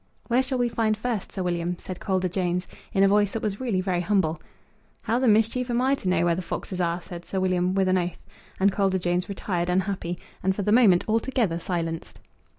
"Where shall we find first, Sir William?" said Calder Jones, in a voice that was really very humble. "How the mischief am I to know where the foxes are?" said Sir William, with an oath; and Calder Jones retired unhappy, and for the moment altogether silenced.